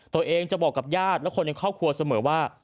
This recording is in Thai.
ตัวเองจะบอกกับญาติและคนในครอบครัวเสมอว่า